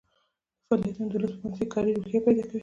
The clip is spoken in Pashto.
دا فعالیتونه د ولس په منځ کې کاري روحیه پیدا کوي.